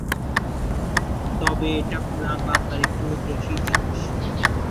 তবে এটা গ্রাম বাংলার একটি ঐতিহাসিক জিনিস।